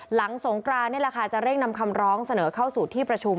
หลังสงกรานนี่แหละค่ะจะเร่งนำคำร้องเสนอเข้าสู่ที่ประชุม